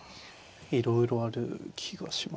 いろいろある気がします。